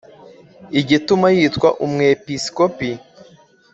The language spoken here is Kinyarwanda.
igituma yitwa umwepisikopi